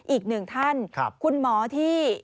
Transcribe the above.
อีกหนึ่งท่านคุณหมอที่